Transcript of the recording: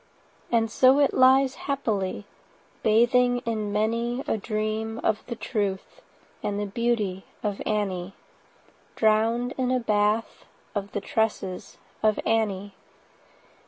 And so it lies happily, Bathing in many A dream of the truth And the beauty of Annie— 70 Drown'd in a bath Of the tresses of Annie.